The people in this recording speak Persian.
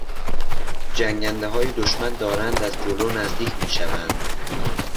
جنگندههای دشمن دارند از جلو نزدیک میشوند.